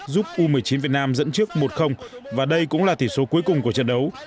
giúp u một mươi chín việt nam dẫn trước một và đây cũng là tỷ số cuối cùng của trận đấu